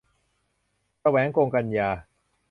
แสวง กงกันยา